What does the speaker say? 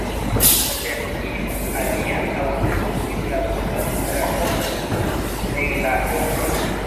Sed, iu alia aŭskultis la tutan rakonton en la ombroj.